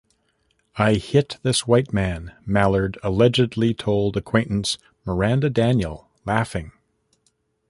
"I hit this white man," Mallard allegedly told acquaintance Maranda Daniel, laughing.